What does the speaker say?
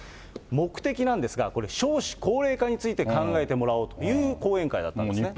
目的なんですが、これ、少子高齢化について、考えてもらおうという講演会だったんですね。